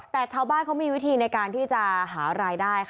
แต่ชาวบ้านเขามีวิธีในการที่จะหารายได้